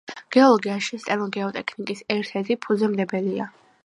გეოლოგიაში სტენო გეოტექტონიკის ერთ-ერთ ფუძემდებელია.